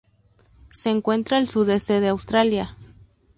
Se encuentra al sudeste de Australia.